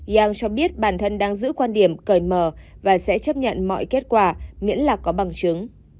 yang cho biết bản thân đang giữ quan điểm cởi mở và sẽ chấp nhận mọi kết quả miễn là có bằng chứng